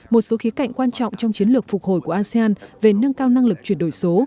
một số khía cạnh quan trọng trong chiến lược phục hồi của asean về nâng cao năng lực chuyển đổi số